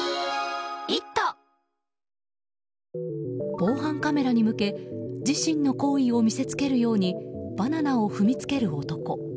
防犯カメラに向け自身の行為を見せつけるようにバナナを踏みつける男。